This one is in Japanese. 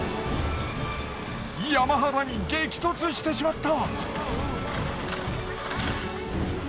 山肌に激突してしまった。